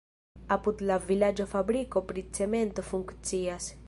Apud la vilaĝo fabriko pri cemento funkcias.